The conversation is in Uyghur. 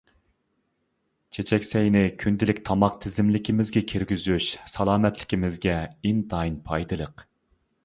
چېچەك سەينى كۈندىلىك تاماق تىزىملىكىمىزگە كىرگۈزۈش سالامەتلىكىمىزگە ئىنتايىن پايدىلىق.